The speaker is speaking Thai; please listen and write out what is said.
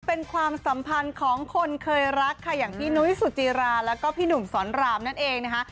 เป็นความสัมพันธ์ของคนเคยรักค่ะอย่างพี่นุ้ยสุจิราแล้วก็พี่หนุ่มสอนรามนั่นเองนะคะ